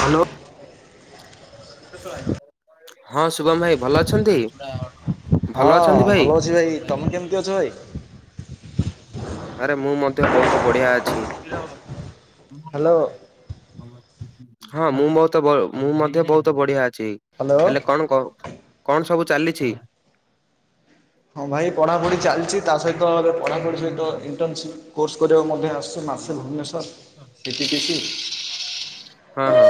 Hello. ହଁ ଶୁଭମ ଭାଇ ଭଲ ଅଛନ୍ତି? ହଁ ଭଲ ଅଛନ୍ତି ଭଲ ଅଛି ଭାଇ। ତମେ କେମତି ଅଛ ଭାଇ? ଆରେ ମୁଁ ମଧ୍ୟ ବହୁତ ବଢିଆ ଅଛି। ହ୍ୟାଲୋ ହଁ ମୁଁ ମତ ବହୁତ ମୁଁ ମଧ୍ୟ ବହୁତ ବଢିଆ ଅଛି ହ୍ୟାଲୋ। ହେଲେ କଣ କ? କଣ ସବୁ ଚାଲିଛି? ହଁ ଭାଇ ପଢ଼ାପଢ଼ି ଚାଲିଛି ତା ସହିତ ଏଵେ ପଢ଼ାପଢ଼ି ସହିତ ଇଣ୍ଟର୍ନସିପ୍ କୋର୍ସ କରିବାକୁ ମଧ୍ୟ ଆସ ମାସେ ଭୁବନେଶ୍ୱର ସିଟି ଟିସି ହଁ ହଁ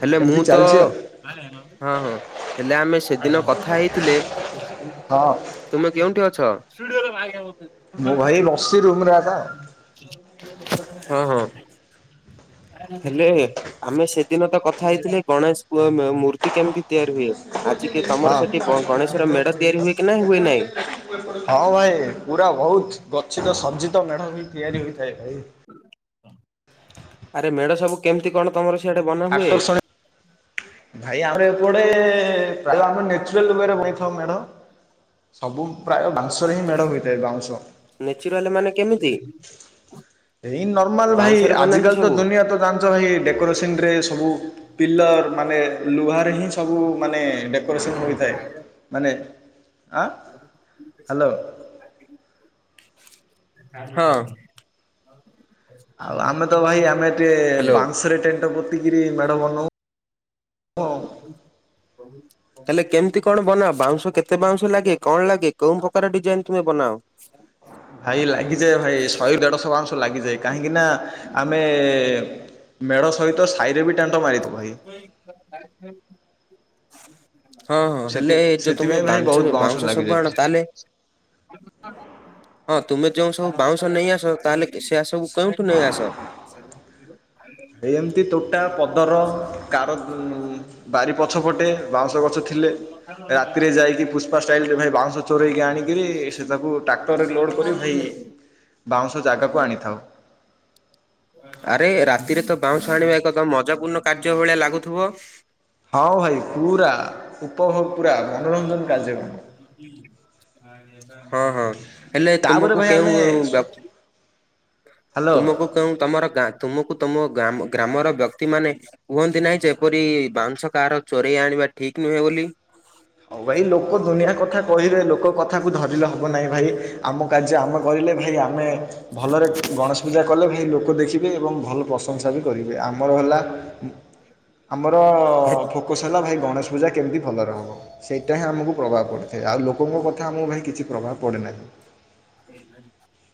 ହେଲେ ମୁଁ ଏମିତି ତ ଚାଲିଛି ଆଉ ହଁ ହଁ ହେଲେ ଆମେ ସେଦିନ କଥା ହେଇଥିଲେ ହଁ ତୁମେ କେଉଁଠି ଅଛ? ମୁଁ ଭାଇ ବସି ରୁମରେ ଥା। ହଁ ହଁ। ହେଲେ ଆମେ ସେଦିନ ତ କଥା ହେଇଥିଲେ ଗଣେଶ ମ-ମ-ମୂର୍ତ୍ତି କେମିତି ତିଆରି ହୁଏ? ଆଜିିକେ ହଁ ତମର ସେଠି ବ ଗଣେଶର ମେଢ ତିଆରି ହୁଏ କି ନା ହୁଏ ନହିଁ? ହଁ ଭାଇ ପୁରା ବହୁତ ଗଛିତ ସଜ୍ଜିତ ମେଢ ହି ତିଆରି ହୋଇଥାଏ ଭାଇ। ହ ଆରେ ମେଢ ସବୁ କେମିତି କଣ ତମର ସିଆଡେ ବନା ହୁଏ ଆର୍ଷଣ ଭାଇ ଆମର ଏପଟେ ପ୍ରାୟ ଆମ ନେ [unintelligible] ମ୍ୟାଡ଼ାମ ସବୁ ପ୍ରାୟ ଭାଷୁ [unintelligible] ମେଢ଼ ହୋଇଥାଏ ବାଉଁଶ ନେଚୁରାଲ ମାନେ କେମିତି? ଏଇ ନର୍ମାଲ ଭାଇ ବାଉଁଶରେ ଆଜି ବନାନ୍ତି କାଲି ତ ସବୁ? ଦୁନିଆ ତ ଜାଣିଛ ଭାଇ ଡେକୋରେସ [unintelligible] ସବୁ ପିଲର ମାନେ ଲୁହାରେ ହିଁ ସବୁ ଡେକ ଅପୋରେସନ୍ ହୋଇଥାଏ ମାନେ ଆଁ ହ୍ୟାଲୋ ହଁ। ଆଉ ଆମେ ତ ଭାଇ ଆମେ ଟିକେ ହ୍ୟାଲୋ। ବାଂଶରେ ଟେଣ୍ଟ ପୋତିକିରି ମେଢ ବନଉ। ହଁ [inaudible] ହେଲେ କେମିତି କଣ ବନାଅ ବାଉଁଶ କେତେ ବାଉଁଶ ଲାଗେ କଣ ଲାଗେ କୋଉ ପ୍ରକାର ଡିଜାଇନ ତୁମେ ବନାଅ? ଆଚ୍ଛା। ଭାଇ ଲାଗିଯାଏ ଭାଇ ଶହେ ଦେଢଶହ ମାଂଶ ଲାଗିଯାଏ କାହିଁକି ନା? ଆମେ ମେଢ଼ ସହିତ ସାହିରେ ବି ଟେଣ୍ଟ ମାରିଥାଉ ଭାଇ [unintelligible] ହଁ ହଁ ସେଥି ହେଲେ ଏ ଯୋଉ ସେଥିପାଇଁ ତମେ ଭାଇ ବହୁତ ବାଉଂଶ ବାଉଁଶ ସବୁ ଆଣ ଲାଗିଯାଇଥାଏ। ତାହେଲେ ହଁ ତୁମେ ଯୋଉ ସବୁ ବାଉଁଶ ନେଇ ଆସ ତାହେଲେ ସେଆ ସବୁ କେଉଁଠୁ ନେଇ ଆସ? ଏଇ ଏମିତି ତୋଟା ପଦର କାର ବାରି ପଛ ଫଟେ ବାଉଁଶ ଗଛ ଥିଲେ। ରାତିରେ ଯାଇକି ପୁଷ୍ପା ଷ୍ଟାଇଲରେ ଭାଇ ବାଉଁଶ ଚୋରଇକି ଆଣିକରି ସେ ତାକୁ ଟ୍ରାକ୍ଟରରେ ଲୋଡ କରି ଭାଇ ବାଉଁଶ ଜାଗାକୁ ଆଣିଥାଉ। ଆରେ ରାତିରେ ତ ବାଉଁଶ ଆଣିବା ଏକ ମଜା ପୂର୍ଣ୍ଣ କାର୍ଯ୍ୟ ଭଳିଆ ଲାଗୁଥିବ। ହଁ ଭାଇ ପୁରା ଉପଭୋଗ ପୁରା ମନୋରଞ୍ଜନ କାର୍ଯ୍ୟକ୍ର [unintelligible] ହଁ ହଁ ହେଲେ ତାପରେ ତୁମକୁ ଭାଇ ଆମେ କେଉଁପ ହ୍ୟାଲୋ। ତମ-ତମର ଗାଁ ତୁମକୁ ତମ ଗାମ ଗ୍ରାମର ବ୍ୟକ୍ତି ମାନେ କୁହନ୍ତି ନାହିଁ ଯେପରି ବାଉଂଶ କାହାର ଚୋରେଇ ଆଣିବା ଠିକ ନୁହେଁ ବୋଲି। ହଉ ଭାଇ ଲୋକ ଦୁନିଆ କଥା କହିବେ ଲୋକ କଥାକୁ ଧରିଲେ ହବ ନାହିଁ ଭାଇ ଆମ କାର୍ଯ୍ୟ ଆମ କହିଲେ ଭାଇ ଆମେ ଭ ଭଲରେ ଗଣେଶ ପୂଜା କଲେ ଭାଇ ଲୋକ ଦେଖିବେ ଏବଂ ଭଲ ପ୍ରଶଂସା ବି କରିବେ ଆମର ହେଲା ଆମର ଫୋକସ ହେଲା ଭାଇ ଗଣେଶ ପୂଜା କେମିତି ଭଲରେ ହବ। ସେଇଟା ହିଁ ଆମକୁ ପ୍ରଭାବ ପଡ଼ିଥାଏ ଆଉ ଲୋକଙ୍କ କଥା ଆମକୁ ପାଇଁାଇ କିଛି ପ୍ରଭାବ ପଡ଼େନାହିଁ। [unintelligible]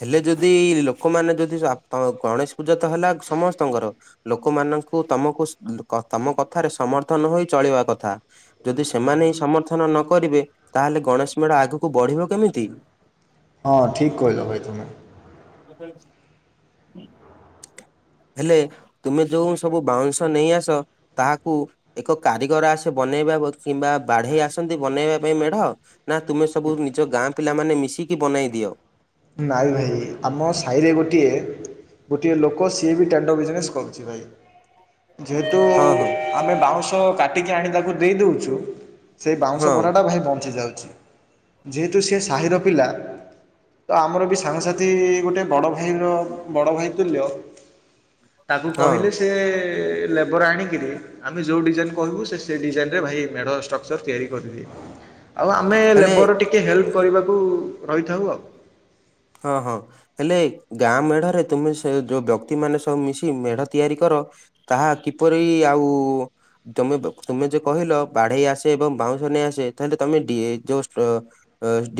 ହେଲେ ଯଦି ଲୋକମାନେ ଯଦି ଆପ ଗଣେଶ ପୂଜା ତ ହେଲା ସମସ୍ତଙ୍କର ଲୋକମାନଙ୍କୁ ତମକୁ ତମ କଥାରେ ସମର୍ଥନ ହୋଇ ଚଳିବା କଥା। ଯଦି ସେମାନେ ହିଁ ସମର୍ଥନ ନ କରିବେ ତାହେଲେ ଗଣେଶ ମେଳା ଆଗକୁ ବଢ଼ିବ କେମିତି। ହଁ ଠିକ୍ କହିଲ ଭାଇ ତୁମେ। ହେଲେ ତୁମେ ଯୋଉ ସବୁ ବାଉଁଶ ନେଇ ଆସ ତାହାକୁ। ଏକ କାରିଗର ଆସେ ବନେଇବା କିମ୍ବା ବାଢ଼େଇ ଆସନ୍ତି ବନେଇବା ପାଇଁ ମେଢ଼। ନା ତୁମେ ସବୁ ନିଜ ଗାଁ ପିଲାମାନେ ମିଶିକି ବନାଇ ଦିଅ। ନାଇ ଭାଇ ଆମ ସାହିରେ ଗୋଟିଏ ଗୋଟିଏ ଲୋକ ସିଏ ବି ଟେଣ୍ଡ ବିଜନେସ୍ କରୁଛି ଭାଇ ଯେହେତୁ ହଁ ହଁ ଆମେ ବାଉଁଶ କାଟିକି ଆଣି ତାକୁ ଦେଇଦଉଛୁ ସେ ହଁ ବାଉଁଶ ବଡ଼ାଟା ଭାଇ ବଞ୍ଚି ଯାଉଛି ଯେହେତୁ ସିଏ ସାହିର ପିଲା ତ ଆମର ବି ସାଙ୍ଗସାଥି ଗୋଟେ ବଡ଼ ଭାଇର ବଡ଼ ଭାଇ ତୁଲ୍ୟ। ତାକୁ ହଁ କହିଲେ ସେ ଲେବର ଆଣିକିରି। ଆମେ ଯେଉଁ ଡିଜାଇନ୍ କହିବୁ ସେ ସେ ଡିଜାଇନ୍ରରେ ଭାଇ ମେଢ଼ ଷ୍ଟ୍ରକ୍ଚର ତିଆରି କରିଦିଏ। ଆଉ ଆମେ ହେଲେ ଲେବର ଟିକେ ହେଲ୍ପ କରିବାକୁ ରହିଥାଉ ଆଉ। ହଁ ହଁ। ହେଲେ ଗାଁ ମେଢରେ ତୁମେ ସେ ଯୋଉ ବ୍ୟକ୍ତି ମାନେ ସବୁ ମିଶି ମେଢ ତିଆରି କର ତାହା କିପରି ଆଉ ତମେ ତମେ ଯଉ କହିଲ ବାଢେଇ ଆସେ ଏବଂ ବାଉଁଶ ନେଇ ଆସେ ତାହେଲେ ତମେ ଯୋଉ ଡି ଯୋଉ ଷ୍ଟ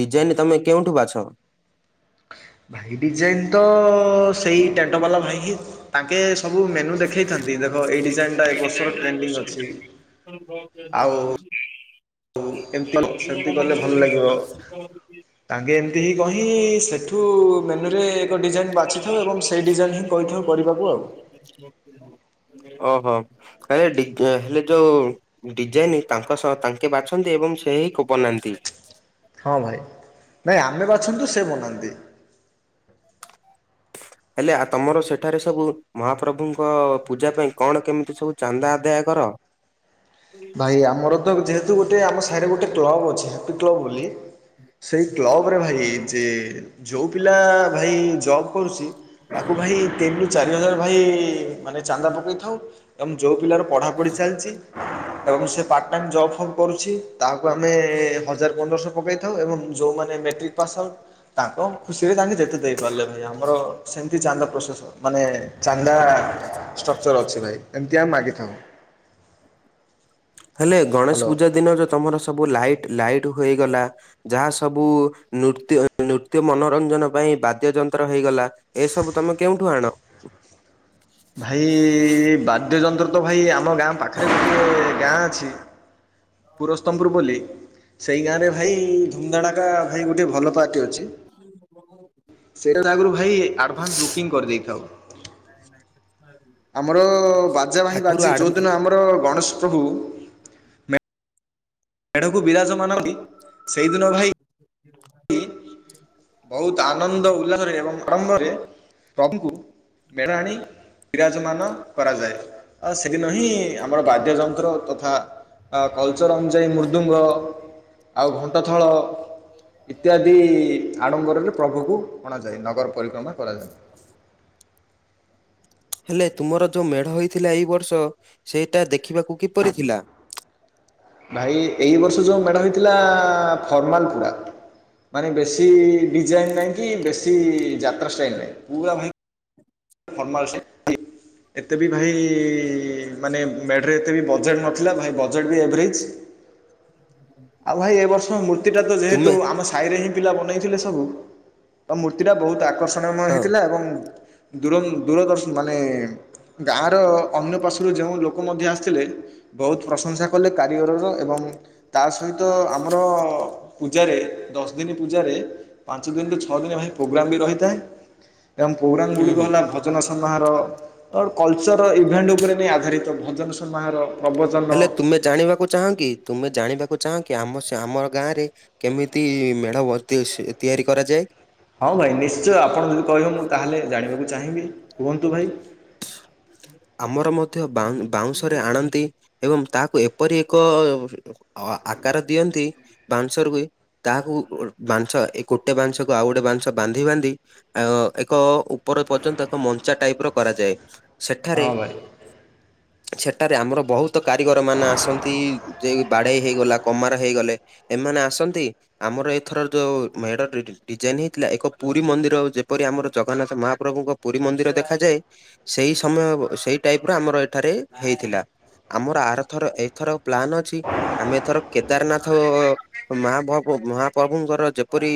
ଡିଜାଇନ୍ ତମେ କେଉଁଠୁ ବାଛ? ଭାଇ ଡିଜାଇନ୍ ତ ସେଇ ଟେଣ୍ଡ ବାଲା ଭାଇ ହଁ ତାଙ୍କେ ସବୁ ମେନୁ ଦେଖାଇଥାନ୍ତି ଦେଖ ଏଇ ଡିଜାଇନ୍ଟା ଏ ବର୍ଷର ଟ୍ରେଣ୍ଡିଙ୍ଗ ଅଛି ଆଉ ଏମିତି ସେମତି କଲେ ଭଲ ଲାଗିବ। ତାଙ୍କେ ଏମିତି ହିଁ କହି ସେଠୁ ମେନ୍ୟୁରେ ଏକ ଡିଜାଇନ ବାଛିଥାଉ ଏବଂ ସେଇ ଡିଜାଇନ ହିଁ କହିଥାଉ କରିବାକୁ ଆଉ। [unintelligible] ଓହୋ ହେଲେ ହେଲେ ଯୋଉ ଡିଜାଇନ ତାଙ୍କ ସହ ତାଙ୍କ। କେ ବାଛନ୍ତି ଏବଂ ସେ ହିଁ କୋ ବନାନ୍ତି। ହଁ ଭାଇ ନାଇଁ ଆମେ ବାଛନ୍ତୁ ସେ ବନାନ୍ତି। [inaudible] ହେଲେ ଆ ତମର ସେଠାରେ ସବୁ ମହାପ୍ରଭୁଙ୍କ ପୂଜା ପାଇଁ କଣ କେମିତି ସବୁ ଚାନ୍ଦା ଆଦାୟ କର? ଭାଇ ଆମର ତ ଯେହେତୁ ଗୋଟେ ଆମ ସାହିରେ ଗୋଟେ କ୍ଲବ୍ ଅଛି ହ୍ୟାପି କ୍ଲବ୍ ବୋଲି। ସେଇ କ୍ଲବ ରେ ଭାଇ ଯେ ଯୋଉ ପିଲା ଭାଇ ଜବ୍ କରୁଛି। ତାକୁ ଭାଇ ତିନି ରୁ ଚାରି ହଜାର ଭାଇ ମାନେ ଚାନ୍ଦା ପକେଇଥାଉ। ଏବଂ ଯେଉଁ ପିଲାର ପଢ଼ାପଢ଼ି ଚାଲିଛି ଏବଂ ସେ ପାର୍ଟ ଟାଇମ୍ ଜବ୍ ଫ କରୁଛି ତାହାକୁ ଆମେ ହଜାର ପନ୍ଦରଶହ ପକାଇଥାଉ ଏବଂ ଯେଉଁମାନେ ମେଟ୍ରିକ୍ ପସଲ୍ ତାଙ୍କ ଖୁସିରେ ତାଙ୍କେ ଯେତେ ଦେଇପାରିଲେ ଭାଇ ଆମର ସେମିତି ଚାନ୍ଦା ପ୍ରୋସେସ୍ ମାନେ ଚାନ୍ଦା ଷ୍ଟ୍ରକ୍ଚର ଅଛି ଭାଇ ଏମିତି ଆମେ ମାଗିଥାଉ। ହେଲେ ଗଣେଶ ହ୍ୟାଲୋ ପୂଜା ଦିନ ଯେଉଁ ତୁମର ସବୁ ଲାଇଟ୍ ଲାଇଟ୍ ହୋଇଗଲା। ଯାହା ସବୁ ନୃତ୍ୟ ନୃତ୍ୟ ମନୋରଞ୍ଜନ ପାଇଁ ବାଦ୍ୟ ଯନ୍ତ୍ର ହେଇଗଲା ଏସବୁ ତମେ କେଉଁଠୁ ଆଣ? ଭାଇ ବାଦ୍ୟଯନ୍ତ୍ର ତ ଭାଇ ଆମ ଗାଁ ପାଖରେ ଗୋଟିଏ ଗାଁ ଅଛି ପୁରସ୍ତମ୍ପୁର ବୋଲି ସେଇ ଗାଁରେ ଭାଇ ଧୁମଧାଡ଼ାକା ଭାଇ ଗୋଟିଏ ଭଲ ପାର୍ଟି ଅଛି। [unintelligible] ସେଟା ଆଗରୁ ଭାଇ ଆଡ଼ଭାନ୍ସ ବୁକିଂ କରିଦେଇଥାଉ ଆମର ବାଜା ଭହି ଆଗରୁ ବାଜି ଆଡ ଯୋଉ ଦିନ ଆମର ଗଣେଶ ପ୍ରଭୁ ଏଢକୁ ବିରାଜ ମାନନ୍ତି ସେଇଦିନ ଭାଇ ବହୁତ ଆନନ୍ଦ ଉଲ୍ଲାସରେ ଏବଂ ଆରମ୍ଭରେ ପ୍ରଭୁଙ୍କୁ। ମେଢ଼ ଆଣି। ବିରାଜମାନ କରାଯାଏ ଆଉ ସେଦିନ ହିଁ ଆମର ବାଦ୍ୟ ଯନ୍ତ୍ର ତଥା ଆ କଲଚର ଅନୁଯାୟୀ ମୃଦୁଙ୍ଗ ଆଉ ଘଣ୍ଟଥଳ ଇତ୍ୟାଦି ଆଡମ୍ବରରେ ପ୍ରଭୁକୁ ଅଣାଯାଏ। ନଗର ପରିକ୍ରମା କରାଯାଏ। ହେଲେ ତୁମର ଯୋଉ ମେଢ ହେଇଥିଲା ଏଇ ବର୍ଷ ସେଇଟା ଦେଖିବାକୁ କିପରି ଥିଲା? ଭାଇ ଏଇ ବର୍ଷ ଯେଉଁ ମେଢ ହେଇଥିଲା ଫର୍ମାଲ ପୁରା। ମାନେ ବେଶୀ ଡିଜାଇନ ନାହିଁ କି ବେଶୀ ଯାତ୍ରା ଷ୍ଟାଇଲ ନାହିଁ। ପୁରା ଭାଇ ଫର୍ମାଲ [unintelligible] ଏତେ ବି ଭାଇ ମାନେ ମେଢ଼ ରେ ଏତେ ବି ବଜେଟ୍ ନ ଥିଲା ଭାଇ। ବଜେଟ୍ ବି ଏଭରେଜ୍। ଆଉ ଭାଇ ଏ ବର୍ଷ ମୂର୍ତ୍ତିଟା ତ ଯେହେତୁ ତୁମେ ଆମ ସାହି ରେ ହିଁ ପିଲା ବନେଇଥିଲେ ସବୁ। ଆଉ ମୂର୍ତ୍ତିଟା ବହୁତ ଆକର୍ଷଣୀୟମୟ ହଁ ହେଇଥିଲା। ଏବଂ ଦୂର ଦୂରଦର୍ଶନ ମାନେ ଗାଁର ଅନ୍ୟ ପାଶରୁ ଯେଉଁ ଲୋକ ମଧ୍ୟ ଆସି ଥିଲେ, ବହୁତ ପ୍ରଶଂସା କଲେ କାରିଗରର ଏବଂ ତା ସହିତ ଆମର ପୂଜାରେ ଦଶ ଦିନ ପୂଜାରେ ପାଞ୍ଚ ଦିନରୁୁ ଛଅ ଦିନ ଭାଇ ପ୍ରୋଗ୍ରାମ୍ ବି ରହିଥାଏ। ହୁଁ [unintelligible] ହୁଁ ଭଜନ ସମାହାର କଲଚର ଇଭେଣ୍ଟ ଉପରେ ନେଇ ଆଧାରିତ ଭଜନ ସମାହାର। ପ୍ରବଚନ ହେଲେ ତୁମେ ଜାଣିବାକୁ ଚାହଁ କି ତୁମେ ଜାଣିବାକୁ ଚାହଁ କି ଆମ ଆମର ଗାଁ ରେ କେମିତି ମେଢ [unintelligible] ତିଆରି କରାଯାଏ? ହଁ ଭାଇ ନିଶ୍ଚୟ। ଆପଣ ଯଦି କହିବେ ମୁଁ ତାହେଲେ ଜାଣିବାକୁ ଚାହିଁବି। କୁହନ୍ତୁ ଭାଇ। [inaudible] ଆମର ମଧ୍ୟ ବାଉଁ ବାଉଁଶରେ ଆଣନ୍ତି ଏବଂ ତାହାକୁ ଏପରି ଏକ ଅ ଆକାର ଦିଅନ୍ତି ବାଂଶ ରୁବଏ ତାହାକୁ ବାଂଶ ଏ ଗୋଟେ ବାଂଶକୁ ଆଉ ଗୋଟେ ବାଂଶ ବାନ୍ଧି ବାନ୍ଧି ଆ ଏକ ଉପର ପର୍ଯ୍ୟନ୍ତ ମଞ୍ଚା ଟାଇପ ର କରାଯାଏ। ସେଠାରେ, ହଁ ଭାଇ ସେଠାରେ ଆମର ବହୁତ ତ କାରିଗର ମାନେ ଆସନ୍ତି। ଯେ ବାଢେଇ ହେଇଗଲା କମାର ହେଇଗଲେ ଏମାନେ ଆସନ୍ତି ଆମର ଏଥର ଯୋଉ ମେଢ଼। [unintelligible] ଡିଜାଇନ ହେଇଥିଲା, ଏକ ପୁରୀ ମନ୍ଦିର ଯେପରି ଆମର ଜଗନ୍ନାଥ ମହାପ୍ରଭୁଙ୍କ ପୁରୀ ମନ୍ଦିର ଦେଖାଯାଏ। ସେଇ ସମୟ ସେଇ ଟାଇପ୍ ର ଆମର ଏଠାରେ ହେଇଥିଲା। ଆମର ଆରଥର ଏଇଥର ପ୍ଲାନ୍ ଅଛି ଆମେଏଥର କେଦାରନାଥ ମହାପବ ମହାପ୍ରଭୁଙ୍କର ଯେପରି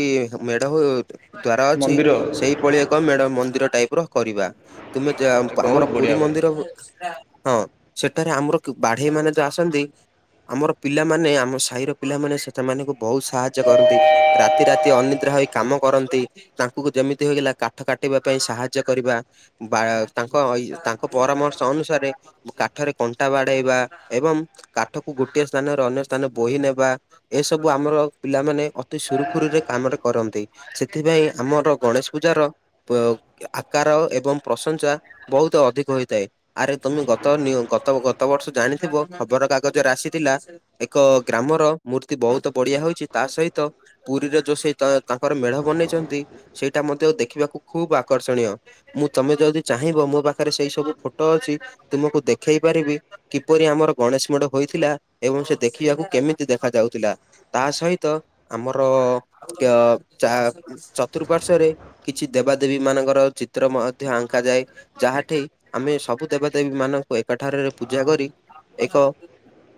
ମେଢ ହୁ ଦ୍ଵାର ଅଛି ମନ୍ଦିର ସେଇ ଭଳି ଏକ ମେଢ଼ ମନ୍ଦିର ଟାଇପ ର କରିବା। ତୁମେ। [unintelligible] ତ ବହୁତ ଆମର ପୁରୀ ବଢ଼ିଆ ଭାଇ ମନ୍ଦିର ହଁ ସେଠାରେ ଆମର ବାଢେଇ ମାନେ ଯୋଉ ଆସନ୍ତି ଆମର ପିଲାମାନେ ଆମ ସାହିର ପିଲାମାନେ ସେମାନଙ୍କୁ ବହୁତ ସାହାଯ୍ୟ କରନ୍ତି। ରାତି ରାତି ଅନିଦ୍ରା ହୋଇ କାମ କରନ୍ତି। ତାଙ୍କୁ ଯେମିତି ହେଇଗଲା କାଠ କାଟିବା ପାଇଁ ସାହା ର୍ଯ୍ୟ କରିବା ବା ତାଙ୍କ ତାଙ୍କ ପରାମର୍ଶ ଅନୁସାରେ କାଠରେ କଣ୍ଟା ବାଡେଇବା ଏବଂ କାଠକୁ ଗୋଟିଏ ସ୍ଥାନରେ ଅନ୍ୟ ସ୍ଥାନ ବୋହି ନେବା ଏସବୁ ଆମର ପିଲାମାନେେ ଅତି ସୁରୁଖୁରୁରେ କାମରେ କରନ୍ତି। ସେଥିପାଇଁ ଆମର ଗଣେଶ ପୂଜାର ଆକାର ଏବଂ ପ୍ରଶଂସା ବହୁତ ଅଧିକ ହୋଇଥାଏ। ଆରେ ତମେ ଗତ ଗତ ଗତ ବର୍ଷ ଜାଣିଥିବ ଖବର କାଗଜରେ ଆସିଥିଲା ଏକ ଗ୍ରାମର ମୂର୍ତ୍ତି ବହୁତ ବଢିଆ ହଉଚି। ତା ସହିତ ପୁରୀରେ ଯୋଉ ସେଇ ତାଙ୍କର ମେଢ ବନେଇଛନ୍ତି ସେଇଟା ମଧ୍ୟ ଦେଖିବାକୁ ଖୁବ ଆକର୍ଷଣୀୟ। ମୁଁ ତମେ ଯଦି ଚାହିଁବ ମୋ ପାଖରେ ସେଇ ସବୁ ଫୋଟୋ ଅଛି ତୁମକୁ ଦେଖେଇ ପାରିବି କିପରି ଆମର ଗଣେଶ ମେଢ଼ ହୋଇଥିଲା ଏବଂ ସେ ଦେଖିବାକୁ କେମିତି ଦେଖା ଯାଉଥିଲା। ତା ସହିତ ଆମର କେ ଚା ଚତୁଃପାର୍ଶ୍ୱ ରେ କିଛି ଦେବାଦେବୀ ମାନଙ୍କର ଚିତ୍ର ମଧ୍ୟ ଆଙ୍କା ଯାଏ। ଯାହାଠି ଆମେ ସବୁ ଦେବା ଦେେବୀ ମାନଙ୍କୁ ଏକଠାରରେ ପୂଜା କରି ଏକ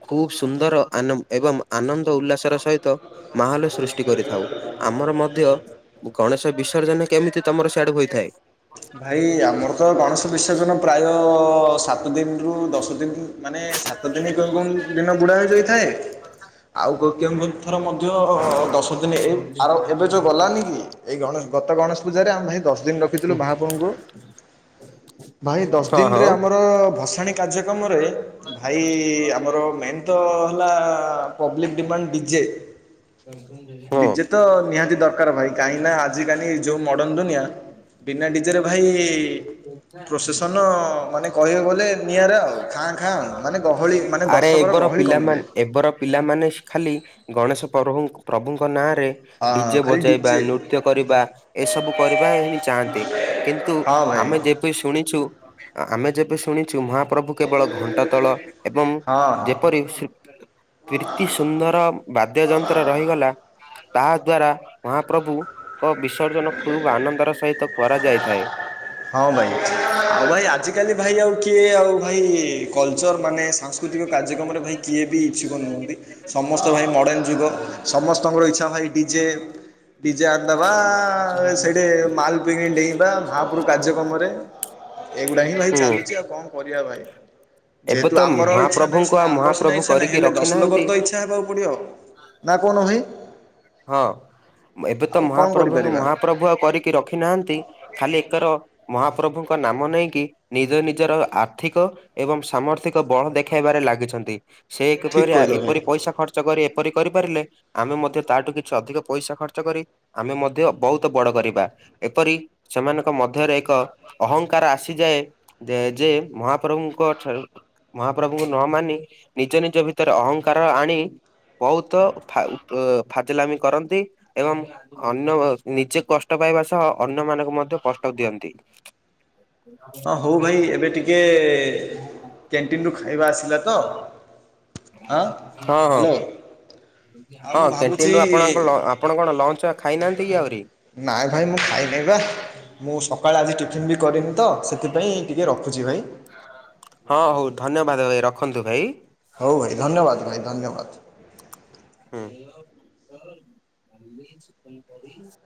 ଖୁବ୍ ସୁନ୍ଦର ଆନ ଏବଂ ଆନନ୍ଦ ଉଲ୍ଲାସର ସହିତ ମାହାଲ ସୃଷ୍ଟି କରିଥାଉ। ଆମର ମଧ୍ୟ ଗଣେଶ ବିସର୍ଜନ କେମିତି ତମର ସିଆଡୁ ହୋଇଥାଏ? ଭାଇ ଆମର ତ ଗଣେଶ ବିସର୍ଜନ ପ୍ରାୟ ସାତ ଦିନରୁ ଦଶ ଦିନ ମାନେ ସା ସାତ ଦିନ କେଉଁ କେଉଁ ଦିନ ବୁଡ଼ା ହୋଇଯାଇଥାଏ ଆଉ କେଉଁ ଥର ମଧ୍ୟ ଦଶ ଦିନ ଏ ଆର ଏବେ ଯେଉଁ ଗଲାନି କି? ଏଇ ଗଣେଶ ଗତ ଗଣେଶ ପୂଜାରେ ଆମେ ଭାଇ ଦଶ ଦିନି ରଖିଥିଲୁ [unintelligible] ଭାଇ ଦଶ ହଁ ଦିନରେ ହଁ ଆମର ଆର ଭସାଣି କାର୍ଯ୍ୟକ୍ରମରେ ଭାଇ ଆମର ମେନ୍ ତ ହେଲା ପବ୍ଲିକ ଡିମାଣ୍ଡ ଡିଜେ, ହଁ ଡିଜେ ତ ନିହାତି ଦରକାର। କର ଭାଇ କାହିଁକି ଆଜିକାଲି ଯେଉଁ ମଡ଼ର୍ଣ୍ଣ ଦୁନିଆ ହୁଁ ଉଁ ବିନା ଡିଜେରେ ଭାଇ ପ୍ରୋସେସନ କହିବାକୁ ଗଲେ ନିଆରା ଆଉ ଖାଁ ଖାଁ ମାନେ ଗହଳି ମାନେ ଆରେ ଦର୍ଶନ ଙ୍କର ଏବର ଗହଳି ପିଲାମାନେ କମିଯାଏ। ଏବର ପିଲାମାନେ ଖାଲି ଗଣେଶ ପ୍ରଭୁ ପ୍ରଭୁଙ୍କ ନାଁରେ ହଁ ଡିଜେ ଖାଲି ବଜେଇବା, ଡିଜେ ନୃତ୍ୟ କରିବା ଏସବୁ କରିବା ହିଁ ଚାହାନ୍ତି। କିନ୍ତୁ ହଁ ଭାଇ ଆମେ ଯେ ଶୁଣିଛୁ, ଆମେ ଯେବେ ଶୁଣିଛୁ ମହା ପ୍ରଭୁ କେବଳ ଘଣ୍ଟା ତଳ ଏବଂ ହଁ ହଁ। ଯେପରି ପ୍ରୀତି ସୁନ୍ଦର ବାଦ୍ୟଯନ୍ତ୍ର ରହିଗଲା। ତାହା ଦ୍ଵାରା ମହାପ୍ରଭୁଙ୍କ ବିସର୍ଜନ ଖୁବ ଆନନ୍ଦର ସହିତ କରାଯାଇଥାଏ। ହଁ ଭାଇ, ଆଉ ଭାଇ ଆଜିକାଲି ଭାଇ ଆଉ କିଏ ଆଉ ଭାଇ କଲଚର୍ ମାନେ ସାଂସ୍କୃତିକ କାର୍ଯ୍ୟକ୍ରମରେ ଭାଇ କିଏ ବି ଇଛୁକ ନୁହଁନ୍ତି। ସମସ୍ତେ ଭାଇ ମଡ଼େନ ଯୁଗ। ସମସ୍ତଙ୍କର ଇଛା ଭାଇ ଡିଜେ ଡିଜେ ଆ ଦେବା। ସେଇଠ ମାଲ ପି ଡେଇଁବା ମହାପ୍ରଭୁ କାର୍ଯ୍ୟକ୍ରମରେ ଏଇଗୁଡା ହିଁ ଭାଇ ହୁଁ ଚାଲୁଛି ଆଉ କଣ କରିବା ଭାଇ? ଏବେ ଯେହେତୁ ତ ଆମର ଇଛା ନାହିଁ ମହାପ୍ରଭୁଙ୍କୁ ଆଉ ସିନା, ଆମର ସିନା ମହାପ୍ରଭୁ ଇଚ୍ଛା ନାହିଁ, କରିକି ହେଲେ ଦଶ ରଖିନାହାନ୍ତି ଲୋକର ତ ଇଛା ହେବାକୁ ପଡିବ ନା କହୁନ ଭାଇ? ହଁ ଏବେ ତ ଆଉ କଣ ମହାପ୍ରଭୁ, କରିପାରିବା ମହାପ୍ରଭୁ ଆଉ କରିକି ରଖିନାହାନ୍ତି, ଖାଲି ଏକର ମହାପ୍ରଭୁଙ୍କ ନାମ ନେଇକି ନିଜ ନିଜର ଆର୍ଥିକ ଏବଂ ସାମର୍ଥିକ ବଳ ଦେଖାଇବାରେ ଲାଗିଛନ୍ତି। ସେ ଠିକ୍ କହିଲ [unintelligible] ଏପରି ଭାଇ। ପଇସା ଖର୍ଚ୍ଚ କରି ଏପରି କରିପାରିଲେ ଆମେ ମଧ୍ୟ ତାଠୁ କିଛି ଅଧିକ ପଇସା ଖର୍ଚ୍ଚ କରି ଆମେ ମଧ୍ୟ ବହୁତ ବଡ କରିବା, ଏପରି ସେମାନଙ୍କ ମଧ୍ୟରେ ଏକ ଅହଙ୍କାର ଆସିଯାଏ। ଯେ ମହାପ୍ରଭୁଙ୍କ ଠାରୁ ମହାପ୍ରଭୁଙ୍କୁ ନ ମାନି ନିଜ ନିଜ ଭିତରେ ଅହଙ୍କାର ଆଣି ବହୁତ ଫାଜିଲାମି କରନ୍ତି ଏବଂ ଅନ୍ୟ, ନିଜେ କଷ୍ଟ ପାଇବା ସହ ଅନ୍ୟ ମାନଙ୍କୁ ମଧ୍ୟ କଷ୍ଟ ଦିଅନ୍ତି। ହଁ ହଉ ଭାଇ, ଏବେ ଟିକେ କ୍ୟାଣ୍ଟିନରୁ ଖାଇବା ଆସିଲା ତ। ହଁ ହଁ ହଁ ହ୍ୟାଲୋ ଆଉ ମୁଁ ହଁ, ଭାବୁଛି କ୍ୟାଣ୍ଟିନ ରୁ ଆପଣ ଆପଣ କଣ ଲଞ୍ଚ ଖାଇନାହାନ୍ତି କି ଆହୁରି? ନାଇଁ ଭାଇ ମୁଁ ଖାଇନି ବା ମୁଁ ସକାଳେ ଆଜି ଟିଫିନ୍ ବି କରିନି। ତ ସେଥିପାଇଁ ଟିକେ ରଖୁଛି ଭାଇ। ହଁ, ହଉ ଧନ୍ୟବାଦ ଭାଇ ରଖନ୍ତୁ ଭାଇ। ହଉ ଭାଇ, ଧନ୍ୟବାଦ ଭାଇ ଧନ୍ୟବାଦ। ହୁଁ